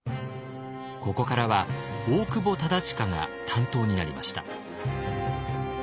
ここからは大久保忠隣が担当になりました。